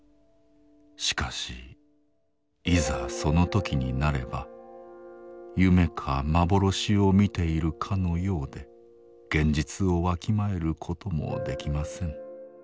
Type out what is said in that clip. しかしいざその時になれば夢か幻を見ているかのようで現実をわきまえることもできません。